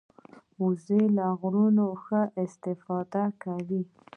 وزې له غرونو ښه استفاده کوي